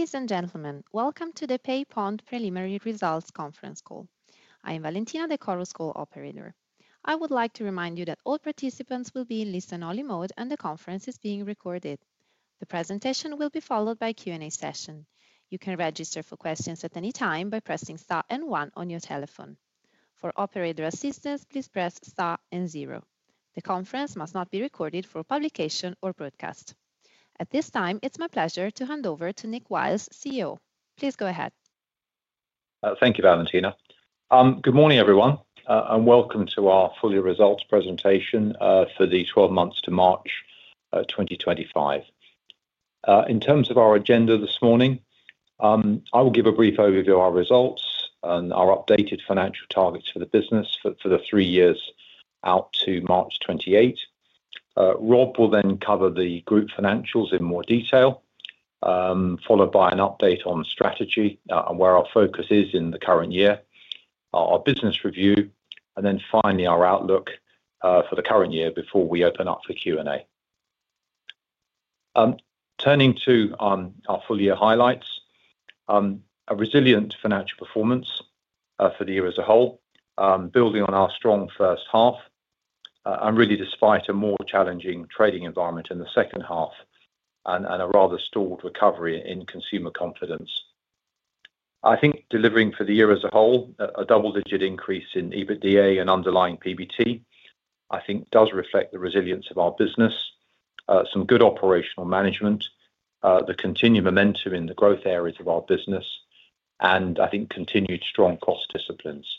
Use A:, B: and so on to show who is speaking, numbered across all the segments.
A: Ladies and gentlemen, welcome to the PayPoint Preliminary Results Conference Call. I am Valentina, the Chorus Call Operator. I would like to remind you that all participants will be in listen-only mode and the conference is being recorded. The presentation will be followed by a Q&A session. You can register for questions at any time by pressing Star and One on your telephone. For operator assistance, please press Star and Zero. The conference must not be recorded for publication or broadcast. At this time, it's my pleasure to hand over to Nick Wiles, CEO. Please go ahead.
B: Thank you, Valentina. Good morning, everyone, and welcome to our full-year results presentation for the 12 months to March 2025. In terms of our agenda this morning, I will give a brief overview of our results and our updated financial targets for the business for the three years out to March 2028. Rob will then cover the group financials in more detail, followed by an update on strategy and where our focus is in the current year, our business review, and then finally our outlook for the current year before we open up for Q&A. Turning to our full-year highlights, a resilient financial performance for the year as a whole, building on our strong first half, and really despite a more challenging trading environment in the second half and a rather stalled recovery in consumer confidence. I think delivering for the year as a whole, a double-digit increase in EBITDA and underlying PBT, I think does reflect the resilience of our business, some good operational management, the continued momentum in the growth areas of our business, and I think continued strong cost disciplines.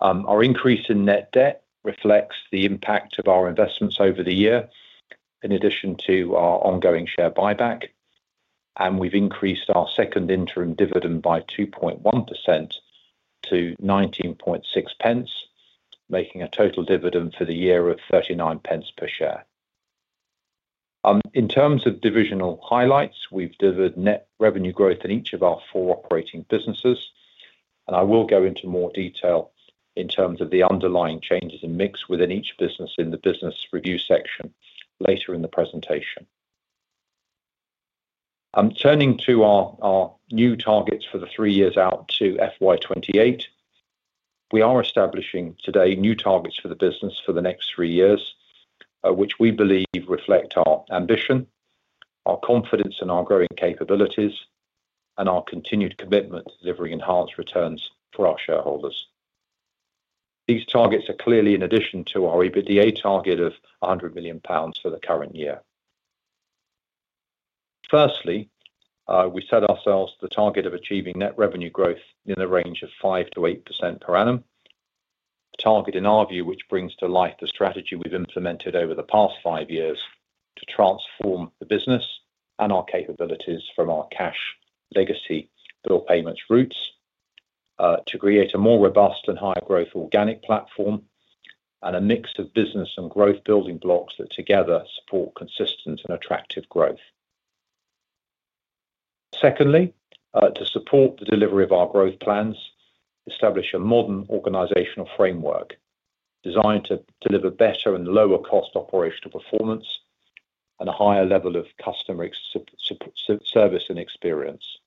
B: Our increase in net debt reflects the impact of our investments over the year, in addition to our ongoing share buyback, and we have increased our second interim dividend by 2.1% to 0.196, making a total dividend for the year of 0.39 per share. In terms of divisional highlights, we have delivered net revenue growth in each of our four operating businesses, and I will go into more detail in terms of the underlying changes in mix within each business in the business review section later in the presentation. Turning to our new targets for the three years out to FY2028, we are establishing today new targets for the business for the next three years, which we believe reflect our ambition, our confidence in our growing capabilities, and our continued commitment to delivering enhanced returns for our shareholders. These targets are clearly in addition to our EBITDA target of 100 million pounds for the current year. Firstly, we set ourselves the target of achieving net revenue growth in the range of 5-8% per annum, a target in our view which brings to life the strategy we've implemented over the past five years to transform the business and our capabilities from our cash legacy bill payments routes to create a more robust and higher growth organic platform and a mix of business and growth building blocks that together support consistent and attractive growth. Secondly, to support the delivery of our growth plans, establish a modern organizational framework designed to deliver better and lower-cost operational performance and a higher level of customer service and experience.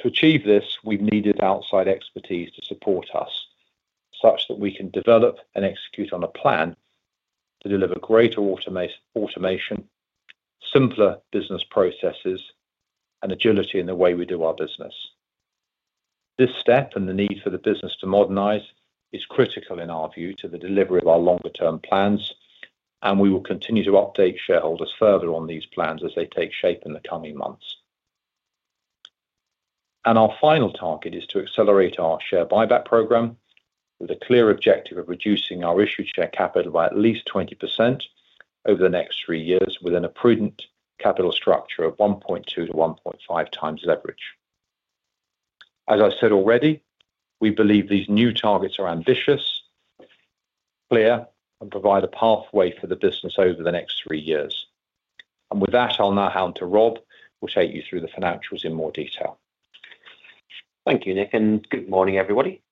B: To achieve this, we've needed outside expertise to support us such that we can develop and execute on a plan to deliver greater automation, simpler business processes, and agility in the way we do our business. This step and the need for the business to modernize is critical in our view to the delivery of our longer-term plans, and we will continue to update shareholders further on these plans as they take shape in the coming months. Our final target is to accelerate our share buyback program with a clear objective of reducing our issued share capital by at least 20% over the next three years within a prudent capital structure of 1.2-1.5 times leverage. As I said already, we believe these new targets are ambitious, clear, and provide a pathway for the business over the next three years. With that, I'll now hand to Rob, who will take you through the financials in more detail.
C: Thank you, Nick, and good morning, everybody.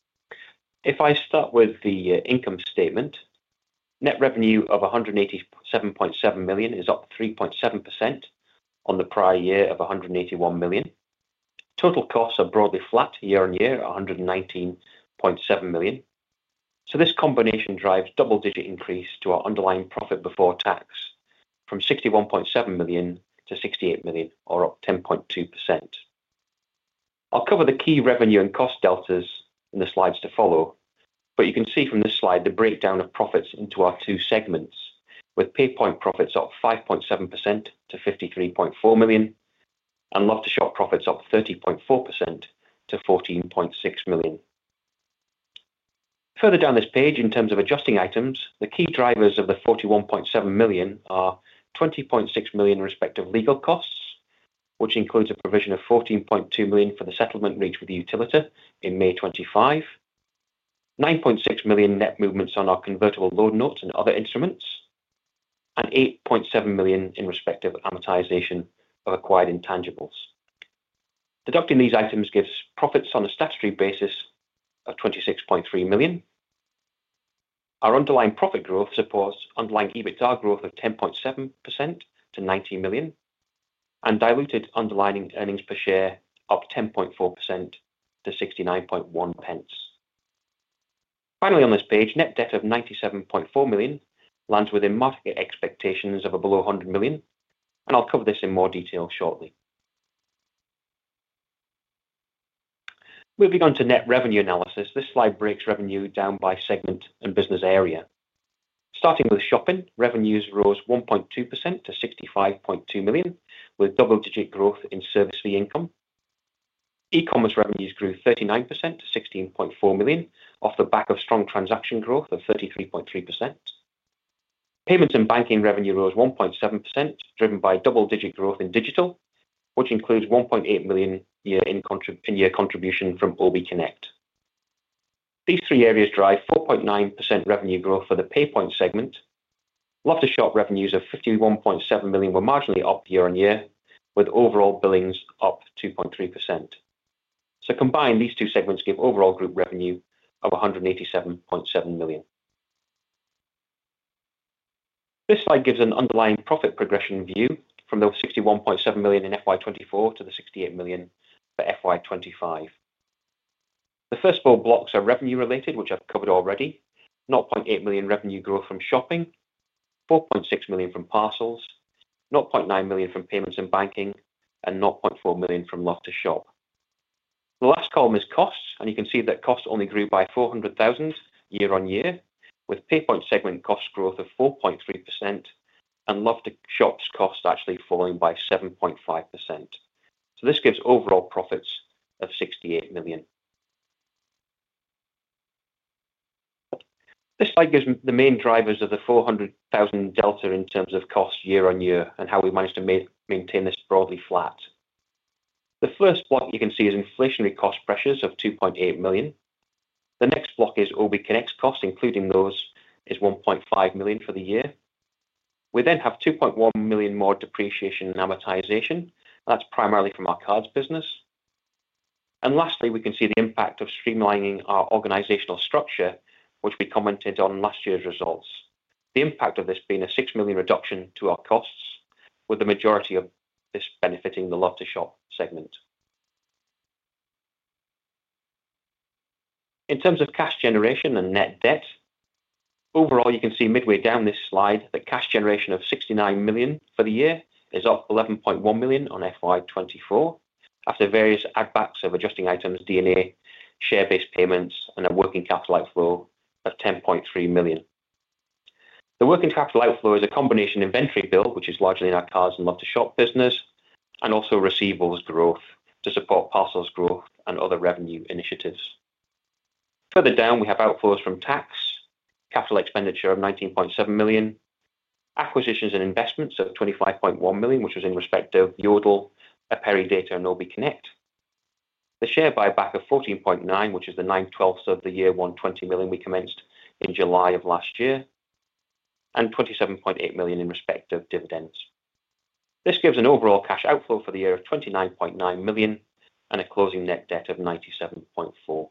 C: If I start with the income statement, net revenue of 187.7 million is up 3.7% on the prior year of 181 million. Total costs are broadly flat year on year, 119.7 million. This combination drives double-digit increase to our underlying profit before tax from 61.7 million to 68 million, or up 10.2%. I'll cover the key revenue and cost deltas in the slides to follow, but you can see from this slide the breakdown of profits into our two segments, with PayPoint profits up 5.7% to 53.4 million and Love2shop profits up 30.4% to 14.6 million. Further down this page, in terms of adjusting items, the key drivers of the 41.7 million are 20.6 million in respect of legal costs, which includes a provision of 14.2 million for the settlement reached with the utility in May 2025, 9.6 million net movements on our convertible loan notes and other instruments, and 8.7 million in respect of amortization of acquired intangibles. Deducting these items gives profits on a statutory basis of 26.3 million. Our underlying profit growth supports underlying EBITDA growth of 10.7% to 90 million, and diluted underlying earnings per share up 10.4% to 69.1. Finally, on this page, net debt of 97.4 million lands within market expectations of below 100 million, and I'll cover this in more detail shortly. Moving on to net revenue analysis, this slide breaks revenue down by segment and business area. Starting with shopping, revenues rose 1.2% to 65.2 million, with double-digit growth in service fee income. E-commerce revenues grew 39% to 16.4 million, off the back of strong transaction growth of 33.3%. Payments and banking revenue rose 1.7%, driven by double-digit growth in digital, which includes 1.8 million year-on-year contribution from OBConnect. These three areas drive 4.9% revenue growth for the PayPoint segment. Love2shop revenues of 51.7 million were marginally up year on year, with overall billings up 2.3%. Combined, these two segments give overall group revenue of 187.7 million. This slide gives an underlying profit progression view from the 61.7 million in 2024 to the 68 million for 2025. The first four blocks are revenue-related, which I have covered already: 0.8 million revenue growth from shopping, 4.6 million from parcels, 0.9 million from payments and banking, and 0.4 million from Love2shop. The last column is costs, and you can see that costs only grew by 400,000 year on year, with PayPoint segment cost growth of 4.3% and Love2shop's cost actually falling by 7.5%. This gives overall profits of 68 million. This slide gives the main drivers of the 400,000 delta in terms of cost year on year and how we managed to maintain this broadly flat. The first block you can see is inflationary cost pressures of 2.8 million. The next block is OBConnect's costs, including those, is 1.5 million for the year. We then have 2.1 million more depreciation and amortization, and that is primarily from our cards business. Lastly, we can see the impact of streamlining our organizational structure, which we commented on last year's results, the impact of this being a 6 million reduction to our costs, with the majority of this benefiting the Love2shop segment.In terms of cash generation and net debt, overall, you can see midway down this slide that cash generation of 69 million for the year is up 11.1 million on FY 2024 after various add-backs of adjusting items, D&A, share-based payments, and a working capital outflow of 10.3 million. The working capital outflow is a combination inventory bill, which is largely in our cards and Love2shop business, and also receivables growth to support parcels growth and other revenue initiatives. Further down, we have outflows from tax, capital expenditure of 19.7 million, acquisitions and investments of 25.1 million, which was in respect of Yodel, Aperidata, and OBConnect, the share buyback of 14.9 million, which is the 9/12 of the year 120 million we commenced in July of last year, and 27.8 million in respect of dividends. This gives an overall cash outflow for the year of 29.9 million and a closing net debt of 97.4 million.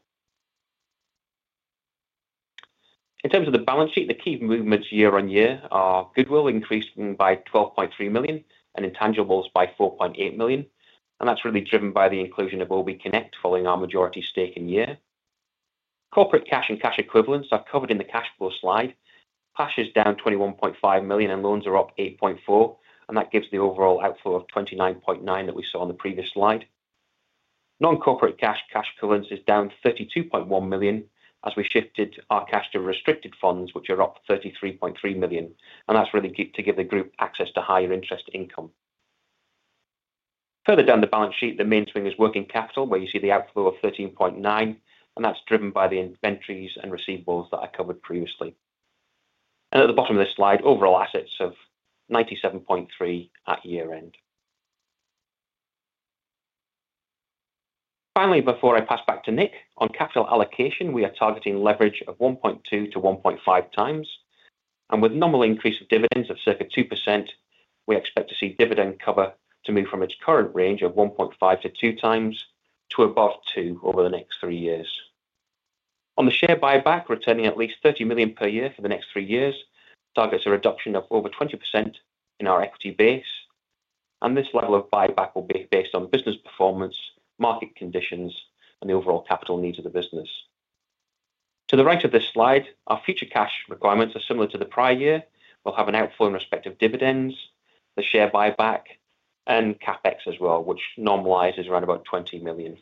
C: In terms of the balance sheet, the key movements year on year are goodwill increasing by 12.3 million and intangibles by 4.8 million, and that's really driven by the inclusion of OBConnect following our majority stake in year. Corporate cash and cash equivalents are covered in the cash flow slide. Cash is down 21.5 million and loans are up 8.4 million, and that gives the overall outflow of 29.9 million that we saw on the previous slide. Non-corporate cash equivalents is down 32.1 million as we shifted our cash to restricted funds, which are up 33.3 million, and that's really to give the group access to higher interest income. Further down the balance sheet, the main swing is working capital, where you see the outflow of 13.9, and that's driven by the inventories and receivables that I covered previously. At the bottom of this slide, overall assets of 97.3 at year-end. Finally, before I pass back to Nick, on capital allocation, we are targeting leverage of 1.2-1.5 times, and with a normal increase of dividends of circa 2%, we expect to see dividend cover move from its current range of 1.5-2 times to above 2 over the next three years. On the share buyback, returning at least 30 million per year for the next three years targets a reduction of over 20% in our equity base, and this level of buyback will be based on business performance, market conditions, and the overall capital needs of the business. To the right of this slide, our future cash requirements are similar to the prior year. We'll have an outflow in respect of dividends, the share buyback, and CapEx as well, which normalizes around about 20 million.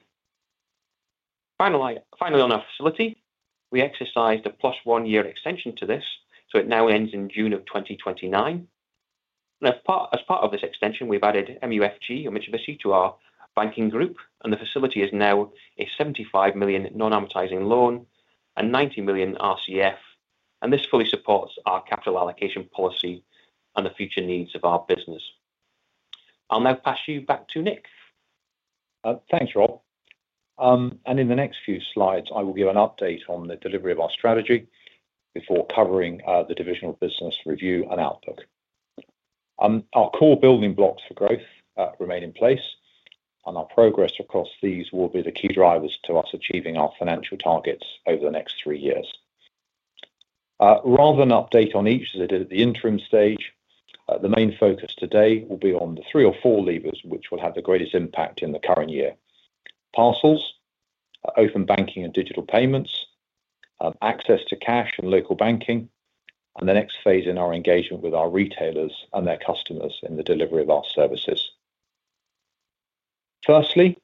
C: Finally, on our facility, we exercised a plus one-year extension to this, so it now ends in June of 2029. As part of this extension, we've added MUFG, SMBC to our banking group, and the facility is now a 75 million non-amortizing loan and 90 million RCF, and this fully supports our capital allocation policy and the future needs of our business. I'll now pass you back to Nick.
B: Thanks, Rob. In the next few slides, I will give an update on the delivery of our strategy before covering the divisional business review and outlook. Our core building blocks for growth remain in place, and our progress across these will be the key drivers to us achieving our financial targets over the next three years. Rather than update on each as I did at the interim stage, the main focus today will be on the three or four levers which will have the greatest impact in the current year: parcels, open banking and digital payments, access to cash and local banking, and the next phase in our engagement with our retailers and their customers in the delivery of our services. Firstly,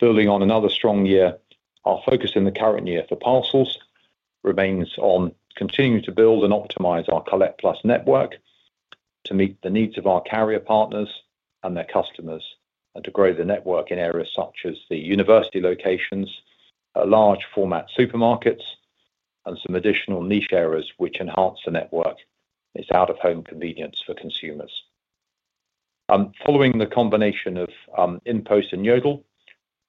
B: building on another strong year, our focus in the current year for parcels remains on continuing to build and optimize our Collect+ network to meet the needs of our carrier partners and their customers and to grow the network in areas such as the university locations, large-format supermarkets, and some additional niche areas which enhance the network, its out-of-home convenience for consumers. Following the combination of InPost and Yodel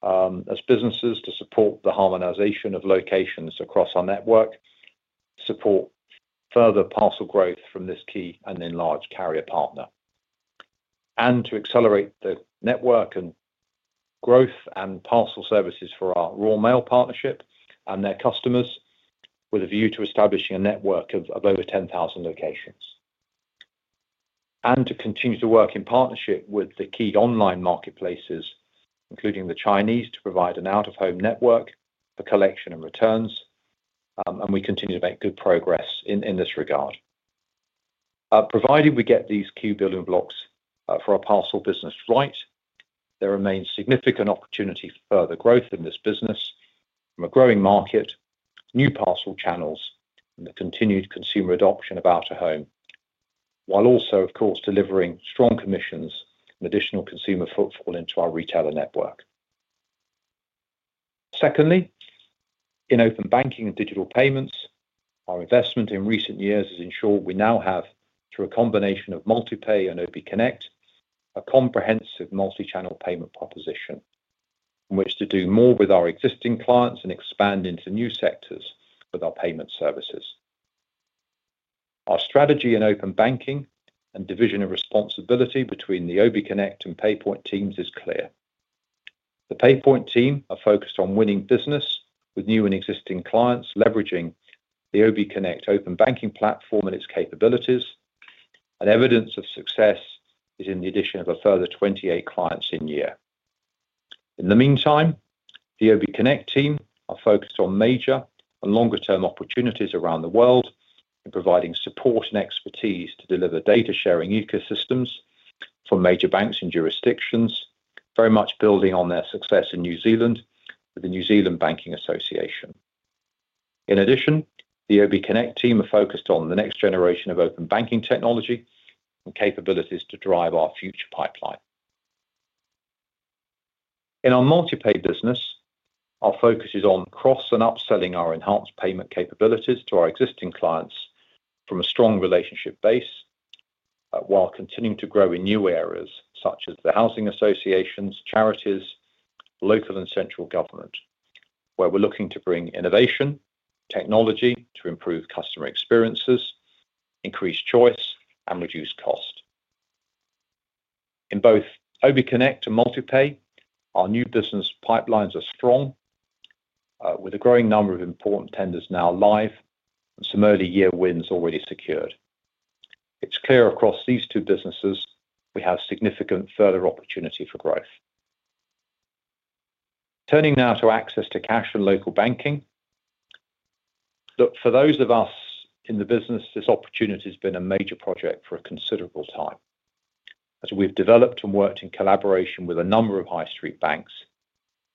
B: as businesses to support the harmonization of locations across our network, support further parcel growth from this key and enlarged carrier partner, and to accelerate the network and growth and parcel services for our Royal Mail partnership and their customers with a view to establishing a network of over 10,000 locations, and to continue to work in partnership with the key online marketplaces, including the Chinese, to provide an out-of-home network for collection and returns, we continue to make good progress in this regard. Provided we get these key building blocks for our parcel business right, there remains significant opportunity for further growth in this business from a growing market, new parcel channels, and the continued consumer adoption of out-of-home, while also, of course, delivering strong commissions and additional consumer footfall into our retailer network. Secondly, in open banking and digital payments, our investment in recent years has ensured we now have, through a combination of MultiPay and OBConnect, a comprehensive multi-channel payment proposition in which to do more with our existing clients and expand into new sectors with our payment services. Our strategy in open banking and division of responsibility between the OBConnect and PayPoint teams is clear. The PayPoint team are focused on winning business with new and existing clients, leveraging the OBConnect open banking platform and its capabilities, and evidence of success is in the addition of a further 28 clients in year. In the meantime, the OBConnect team are focused on major and longer-term opportunities around the world in providing support and expertise to deliver data-sharing ecosystems from major banks and jurisdictions, very much building on their success in New Zealand with the New Zealand Banking Association. In addition, the OBConnect team are focused on the next generation of open banking technology and capabilities to drive our future pipeline. In our MultiPay business, our focus is on cross and upselling our enhanced payment capabilities to our existing clients from a strong relationship base while continuing to grow in new areas such as the housing associations, charities, local and central government, where we're looking to bring innovation, technology to improve customer experiences, increase choice, and reduce cost. In both OBConnect and MultiPay, our new business pipelines are strong, with a growing number of important tenders now live and some early year wins already secured. It's clear across these two businesses we have significant further opportunity for growth. Turning now to access to cash and local banking, for those of us in the business, this opportunity has been a major project for a considerable time, as we've developed and worked in collaboration with a number of high-street banks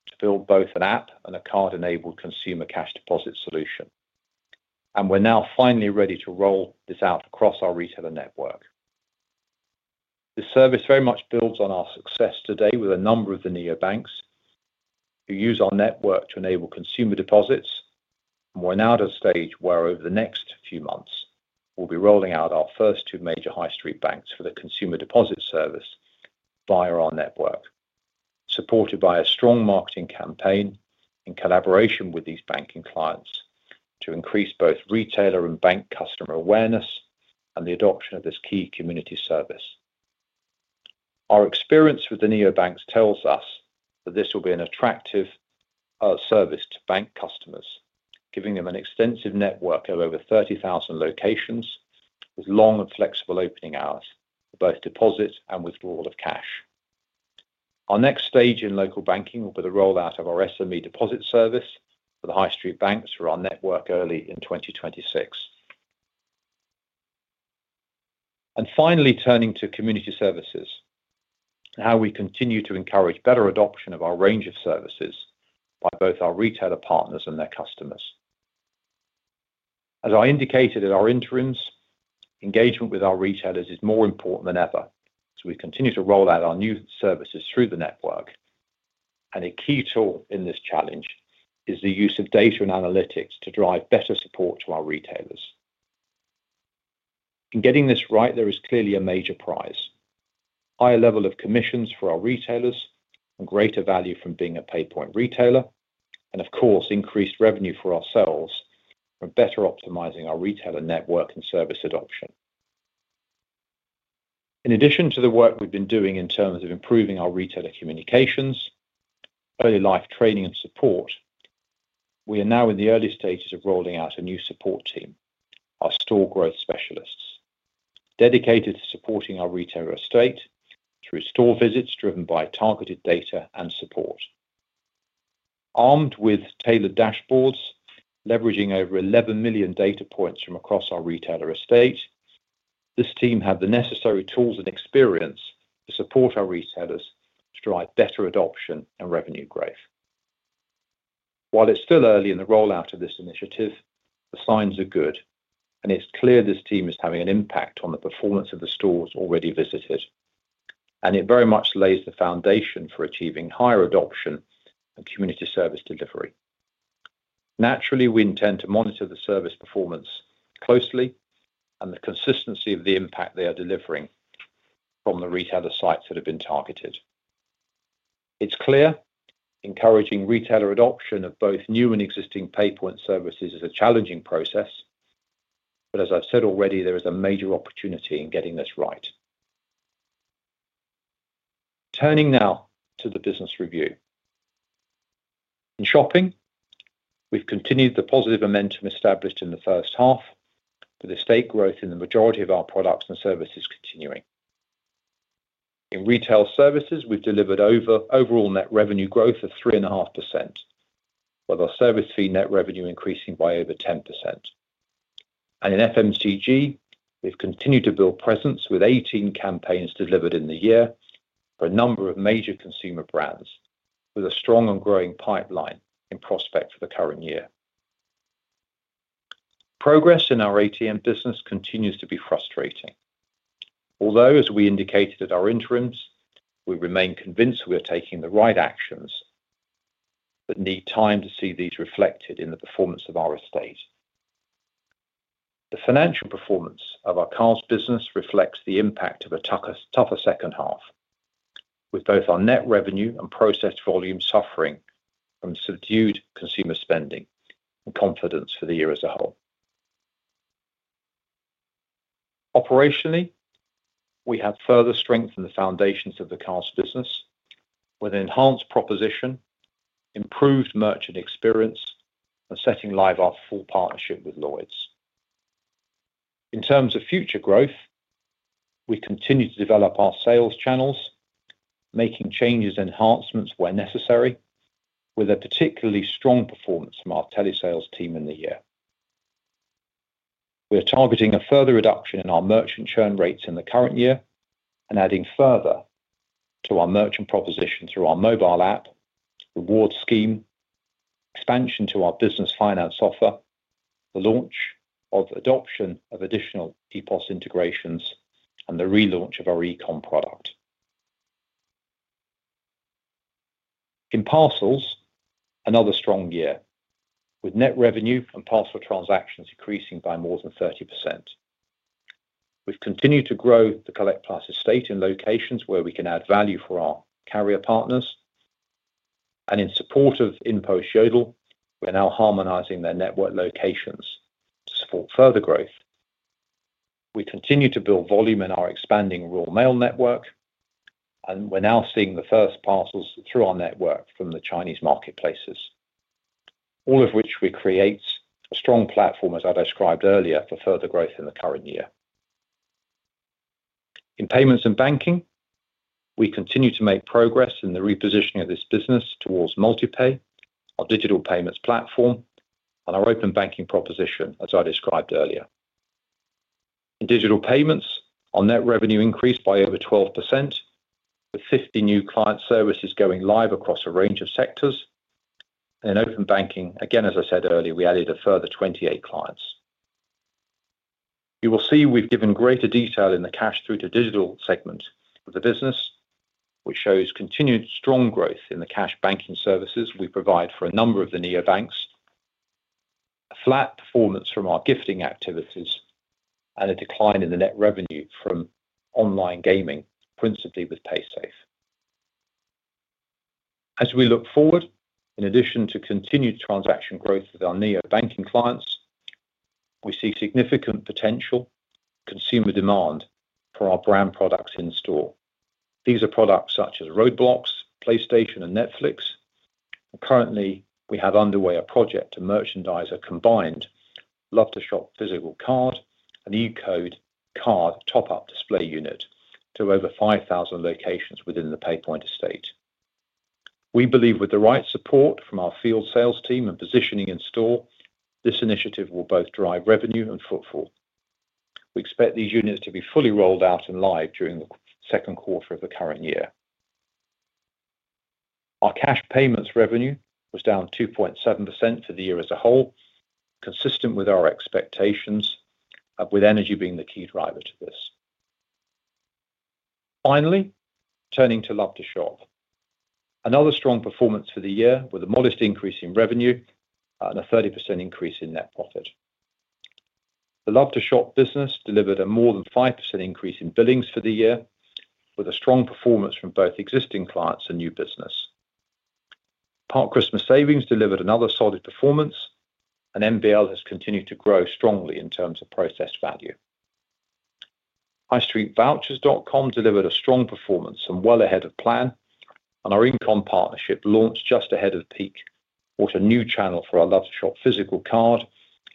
B: to build both an app and a card-enabled consumer cash deposit solution, and we're now finally ready to roll this out across our retailer network. The service very much builds on our success today with a number of the neobanks who use our network to enable consumer deposits, and we're now at a stage where over the next few months we'll be rolling out our first two major high-street banks for the consumer deposit service via our network, supported by a strong marketing campaign in collaboration with these banking clients to increase both retailer and bank customer awareness and the adoption of this key community service. Our experience with the neobanks tells us that this will be an attractive service to bank customers, giving them an extensive network of over 30,000 locations with long and flexible opening hours for both deposit and withdrawal of cash. Our next stage in local banking will be the rollout of our SME deposit service for the high-street banks for our network early in 2026. Finally, turning to community services and how we continue to encourage better adoption of our range of services by both our retailer partners and their customers. As I indicated in our interims, engagement with our retailers is more important than ever, so we continue to roll out our new services through the network, and a key tool in this challenge is the use of data and analytics to drive better support to our retailers. In getting this right, there is clearly a major prize: higher level of commissions for our retailers and greater value from being a PayPoint retailer, and of course, increased revenue for ourselves from better optimizing our retailer network and service adoption. In addition to the work we have been doing in terms of improving our retailer communications, early life training, and support, we are now in the early stages of rolling out a new support team, our store growth specialists, dedicated to supporting our retailer estate through store visits driven by targeted data and support. Armed with tailored dashboards, leveraging over 11 million data points from across our retailer estate, this team had the necessary tools and experience to support our retailers to drive better adoption and revenue growth. While it's still early in the rollout of this initiative, the signs are good, and it's clear this team is having an impact on the performance of the stores already visited, and it very much lays the foundation for achieving higher adoption and community service delivery. Naturally, we intend to monitor the service performance closely and the consistency of the impact they are delivering from the retailer sites that have been targeted. It's clear encouraging retailer adoption of both new and existing PayPoint services is a challenging process, but as I've said already, there is a major opportunity in getting this right. Turning now to the business review. In shopping, we've continued the positive momentum established in the first half, with estate growth in the majority of our products and services continuing. In retail services, we've delivered overall net revenue growth of 3.5%, with our service fee net revenue increasing by over 10%. In FMCG, we've continued to build presence with 18 campaigns delivered in the year for a number of major consumer brands, with a strong and growing pipeline in prospect for the current year. Progress in our ATM business continues to be frustrating, although, as we indicated at our interims, we remain convinced we are taking the right actions that need time to see these reflected in the performance of our estate. The financial performance of our cards business reflects the impact of a tougher second half, with both our net revenue and process volume suffering from subdued consumer spending and confidence for the year as a whole. Operationally, we have further strengthened the foundations of the cards business with an enhanced proposition, improved merchant experience, and setting live our full partnership with Lloyds Bank. In terms of future growth, we continue to develop our sales channels, making changes and enhancements where necessary, with a particularly strong performance from our telesales team in the year. We are targeting a further reduction in our merchant churn rates in the current year and adding further to our merchant proposition through our mobile app, rewards scheme, expansion to our business finance offer, the launch of adoption of additional ePOS integrations, and the relaunch of our e-commerce product. In parcels, another strong year, with net revenue and parcel transactions increasing by more than 30%. We've continued to grow the Collect+ estate in locations where we can add value for our carrier partners, and in support of InPost Yodel, we're now harmonizing their network locations to support further growth. We continue to build volume in our expanding Royal Mail network, and we're now seeing the first parcels through our network from the Chinese marketplaces, all of which creates a strong platform, as I described earlier, for further growth in the current year. In payments and banking, we continue to make progress in the repositioning of this business towards MultiPay, our digital payments platform, and our open banking proposition, as I described earlier. In digital payments, our net revenue increased by over 12%, with 50 new client services going live across a range of sectors, and in open banking, again, as I said earlier, we added a further 28 clients. You will see we've given greater detail in the cash through to digital segment of the business, which shows continued strong growth in the cash banking services we provide for a number of the neobanks, a flat performance from our gifting activities, and a decline in the net revenue from online gaming, principally with Paysafe. As we look forward, in addition to continued transaction growth with our neobanking clients, we see significant potential consumer demand for our brand products in store. These are products such as Roblox, PlayStation, and Netflix, and currently, we have underway a project to merchandise a combined Love2shop physical card and e-code card top-up display unit to over 5,000 locations within the PayPoint estate. We believe with the right support from our field sales team and positioning in store, this initiative will both drive revenue and footfall. We expect these units to be fully rolled out and live during the second quarter of the current year. Our cash payments revenue was down 2.7% for the year as a whole, consistent with our expectations, with energy being the key driver to this. Finally, turning to Love2shop, another strong performance for the year with a modest increase in revenue and a 30% increase in net profit. The Love2shop business delivered a more than 5% increase in billings for the year, with a strong performance from both existing clients and new business. Park Christmas Savings delivered another solid performance, and MBL has continued to grow strongly in terms of process value. Highstreetvouchers.com delivered a strong performance and well ahead of plan, and our income partnership launched just ahead of peak, brought a new channel for our Love2shop physical card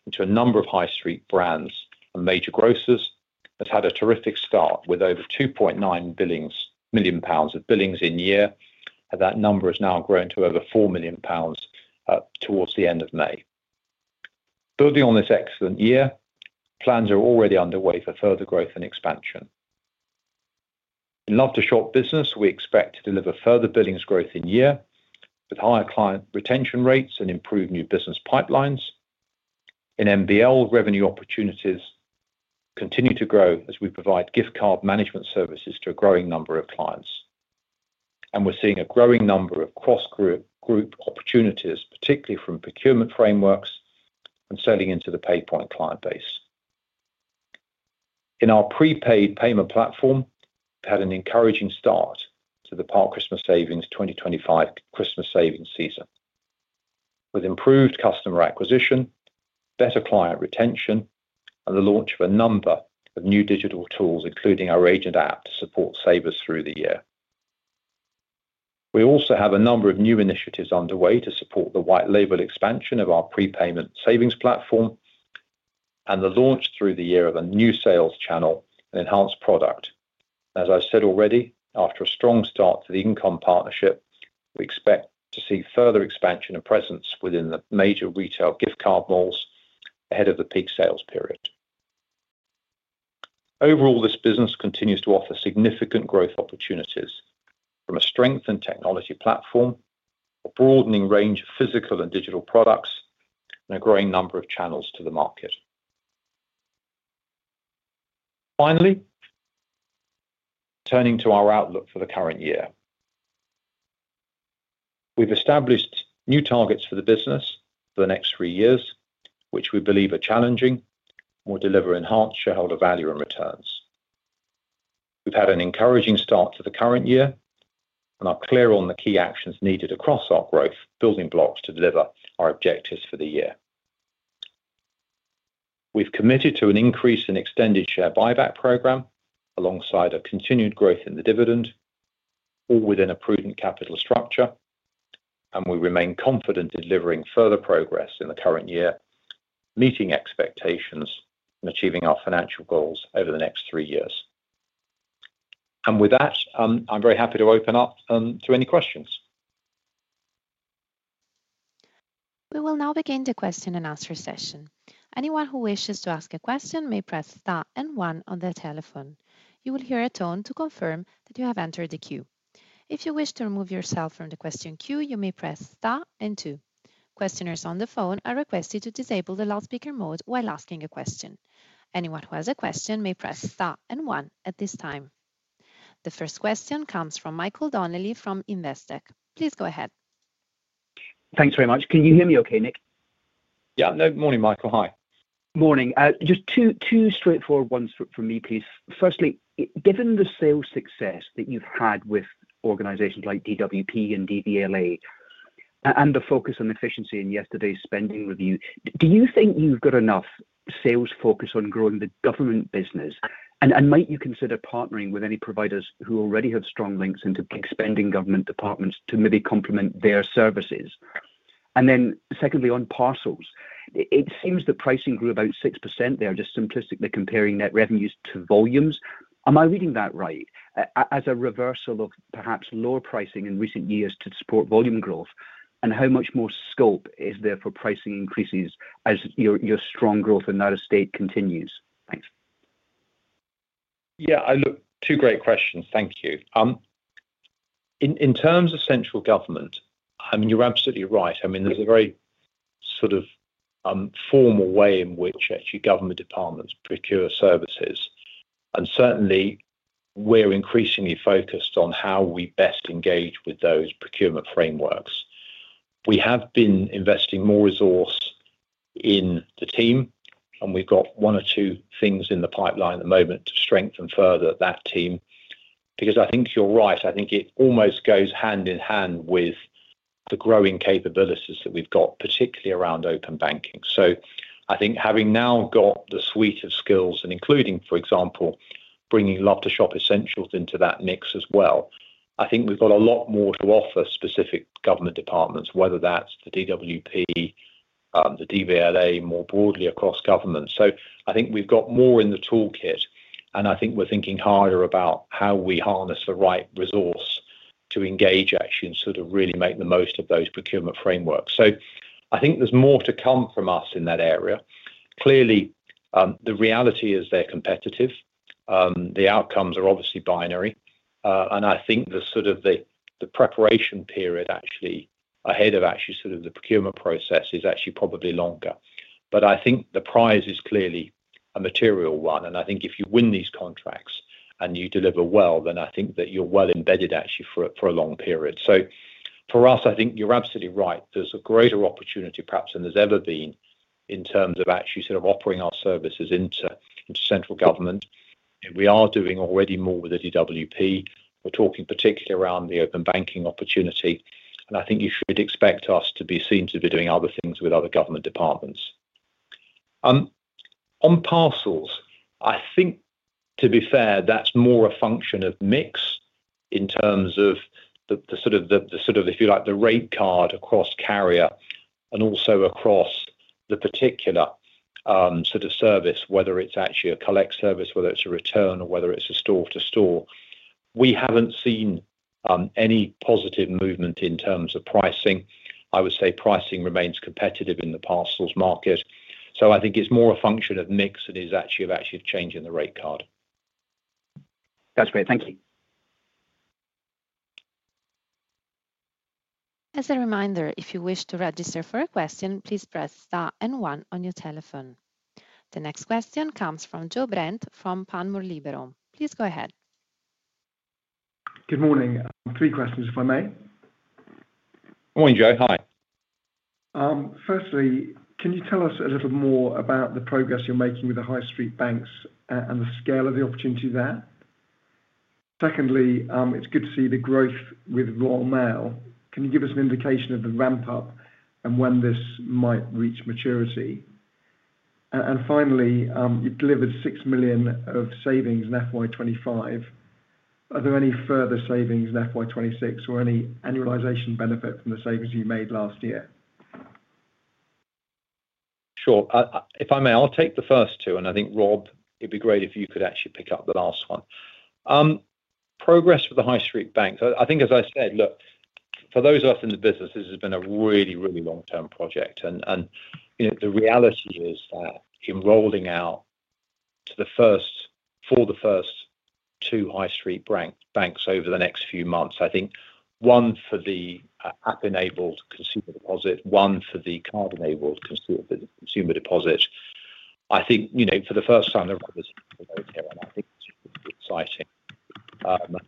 B: into a number of high-street brands and major grocers, has had a terrific start with over 2.9 million pounds of billings in year, and that number has now grown to over 4 million pounds towards the end of May. Building on this excellent year, plans are already underway for further growth and expansion. In Love2shop business, we expect to deliver further billings growth in year with higher client retention rates and improved new business pipelines. In MBL, revenue opportunities continue to grow as we provide gift card management services to a growing number of clients, and we're seeing a growing number of cross-group opportunities, particularly from procurement frameworks and selling into the PayPoint client base. In our prepaid payment platform, we've had an encouraging start to the Park Christmas Savings 2025 Christmas Savings season, with improved customer acquisition, better client retention, and the launch of a number of new digital tools, including our agent app, to support savers through the year. We also have a number of new initiatives underway to support the white-label expansion of our prepayment savings platform and the launch through the year of a new sales channel and enhanced product. As I've said already, after a strong start to the income partnership, we expect to see further expansion and presence within the major retail gift card malls ahead of the peak sales period. Overall, this business continues to offer significant growth opportunities from a strengthened technology platform, a broadening range of physical and digital products, and a growing number of channels to the market. Finally, turning to our outlook for the current year, we've established new targets for the business for the next three years, which we believe are challenging and will deliver enhanced shareholder value and returns. We've had an encouraging start to the current year, and I'm clear on the key actions needed across our growth building blocks to deliver our objectives for the year. We've committed to an increase in extended share buyback program alongside a continued growth in the dividend, all within a prudent capital structure, and we remain confident in delivering further progress in the current year, meeting expectations and achieving our financial goals over the next three years. I am very happy to open up to any questions.
A: We will now begin the question and answer session. Anyone who wishes to ask a question may press Star and One on their telephone. You will hear a tone to confirm that you have entered the queue. If you wish to remove yourself from the question queue, you may press Star and Two. Questioners on the phone are requested to disable the loudspeaker mode while asking a question. Anyone who has a question may press Star and One at this time. The first question comes from Michael Donnelly from Investec. Please go ahead.
D: Thanks very much. Can you hear me okay, Nick?
B: Yeah, no, morning, Michael. Hi.
D: Morning. Just two straightforward ones from me, please. Firstly, given the sales success that you've had with organizations like DWP and DVLA and the focus on efficiency in yesterday's spending review, do you think you've got enough sales focus on growing the government business? And might you consider partnering with any providers who already have strong links into expanding government departments to maybe complement their services? Secondly, on parcels, it seems the pricing grew about 6%. Just simplistically comparing net revenues to volumes. Am I reading that right? As a reversal of perhaps lower pricing in recent years to support volume growth, and how much more scope is there for pricing increases as your strong growth in that estate continues? Thanks.
B: Yeah, two great questions. Thank you. In terms of central government, you are absolutely right. There is a very sort of formal way in which government departments procure services, and certainly, we are increasingly focused on how we best engage with those procurement frameworks. We have been investing more resources in the team, and we have got one or two things in the pipeline at the moment to strengthen further that team, because I think you are right. I think it almost goes hand in hand with the growing capabilities that we've got, particularly around open banking. I think having now got the suite of skills and including, for example, bringing Love2shop essentials into that mix as well, I think we've got a lot more to offer specific government departments, whether that's the DWP, the DVLA, more broadly across government. I think we've got more in the toolkit, and I think we're thinking harder about how we harness the right resource to engage actually and sort of really make the most of those procurement frameworks. I think there's more to come from us in that area. Clearly, the reality is they're competitive. The outcomes are obviously binary, and I think the sort of the preparation period actually ahead of actually sort of the procurement process is actually probably longer. I think the prize is clearly a material one, and I think if you win these contracts and you deliver well, then I think that you're well embedded actually for a long period. For us, I think you're absolutely right. There's a greater opportunity perhaps than there's ever been in terms of actually sort of offering our services into central government. We are doing already more with the DWP. We're talking particularly around the open banking opportunity, and I think you should expect us to be seen to be doing other things with other government departments. On parcels, I think, to be fair, that's more a function of mix in terms of the sort of, if you like, the rate card across carrier and also across the particular sort of service, whether it's actually a collect service, whether it's a return, or whether it's a store-to-store. We haven't seen any positive movement in terms of pricing. I would say pricing remains competitive in the parcels market. I think it's more a function of mix and is actually of actually changing the rate card.
D: That's great. Thank you.
A: As a reminder, if you wish to register for a question, please press Star and One on your telephone. The next question comes from Joe Brent from Panmure Liberum. Please go ahead.
E: Good morning. Three questions, if I may.
B: Morning, Joe. Hi.
E: Firstly, can you tell us a little more about the progress you're making with the high-street banks and the scale of the opportunity there? Secondly, it's good to see the growth with Royal Mail. Can you give us an indication of the ramp-up and when this might reach maturity? Finally, you've delivered 6 million of savings in FY2025. Are there any further savings in FY26 or any annualisation benefit from the savings you made last year?
B: Sure. If I may, I'll take the first two, and I think, Rob, it'd be great if you could actually pick up the last one. Progress with the high-street banks. I think, as I said, look, for those of us in the business, this has been a really, really long-term project, and the reality is that enrolling out for the first two high-street banks over the next few months, I think one for the app-enabled consumer deposit, one for the card-enabled consumer deposit. I think for the first time, the road is open here, and I think it's exciting. I think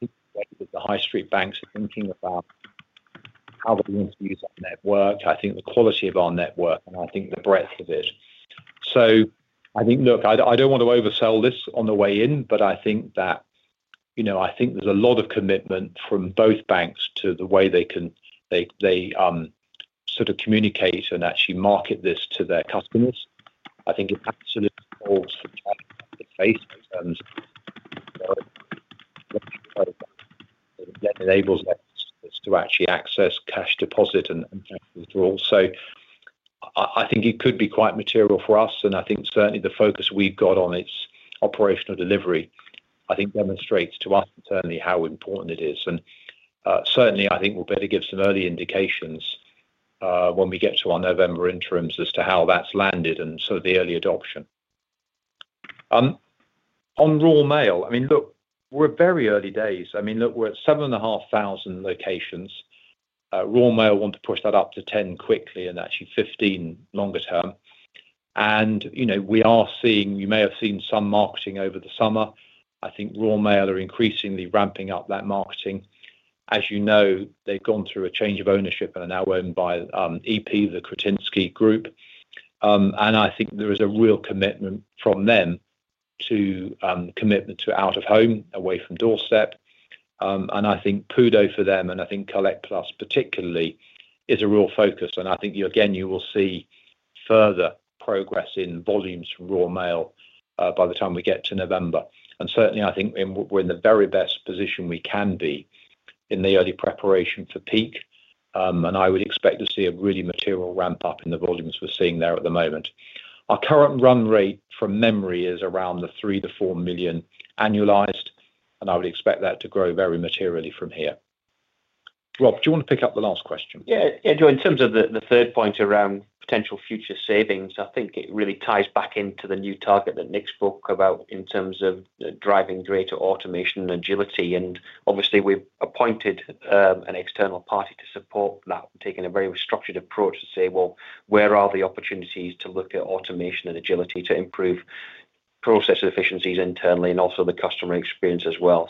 B: the way that the high-street banks are thinking about how they're going to use our network, I think the quality of our network, and I think the breadth of it. I think, look, I do not want to oversell this on the way in, but I think that I think there is a lot of commitment from both banks to the way they can sort of communicate and actually market this to their customers. I think it absolutely involves the cash-to-pay services that enables their customers to actually access cash deposit and cash withdrawal. I think it could be quite material for us, and I think certainly the focus we have got on its operational delivery demonstrates to us internally how important it is. Certainly, I think we will be able to give some early indications when we get to our November interims as to how that has landed and the early adoption. On Royal Mail, I mean, look, we are at very early days. I mean, look, we are at 7,500 locations. Royal Mail want to push that up to 10 quickly and actually 15 longer term. We are seeing, you may have seen some marketing over the summer. I think Royal Mail are increasingly ramping up that marketing. As you know, they have gone through a change of ownership and are now owned by EP, the Kretinsky Group. I think there is a real commitment from them to commitment to out of home, away from doorstep. I think PUDO for them, and I think Collect+ particularly is a real focus. I think, again, you will see further progress in volumes from Royal Mail by the time we get to November. Certainly, I think we are in the very best position we can be in the early preparation for peak, and I would expect to see a really material ramp-up in the volumes we are seeing there at the moment. Our current run rate, from memory, is around the 3-4 million annualized, and I would expect that to grow very materially from here. Rob, do you want to pick up the last question?
C: Yeah, Joe, in terms of the third point around potential future savings, I think it really ties back into the new target that Nick spoke about in terms of driving greater automation and agility. Obviously, we have appointed an external party to support that and taken a very structured approach to say, well, where are the opportunities to look at automation and agility to improve process efficiencies internally and also the customer experience as well?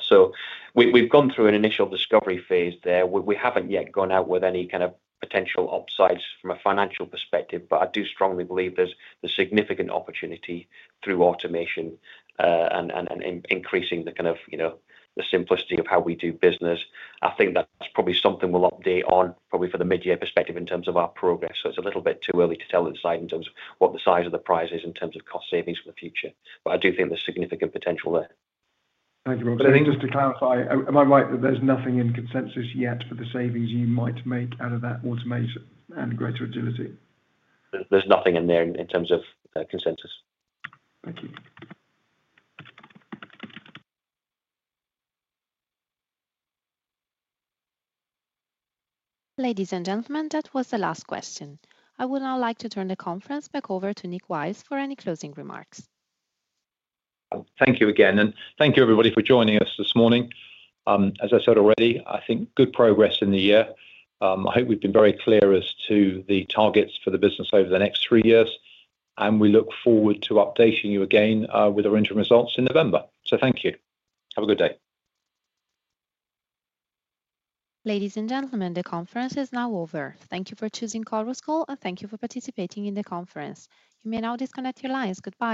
C: We have gone through an initial discovery phase there. We have not yet gone out with any kind of potential upsides from a financial perspective, but I do strongly believe there is a significant opportunity through automation and increasing the simplicity of how we do business. I think that is probably something we will update on probably for the mid-year perspective in terms of our progress. It is a little bit too early to tell in terms of what the size of the prize is in terms of cost savings for the future. I do think there is significant potential there.
E: Thank you, Rob. I think just to clarify, am I right that there is nothing in consensus yet for the savings you might make out of that automation and greater agility?
C: There is nothing in there in terms of consensus.
A: Thank you. Ladies and gentlemen, that was the last question. I would now like to turn the conference back over to Nick Wiles for any closing remarks.
B: Thank you again, and thank you, everybody, for joining us this morning. As I said already, I think good progress in the year. I hope we've been very clear as to the targets for the business over the next three years, and we look forward to updating you again with our interim results in November. Thank you. Have a good day. Ladies and gentlemen, the conference is now over. Thank you for choosing PayPoint, and thank you for participating in the conference. You may now disconnect your lines. Goodbye.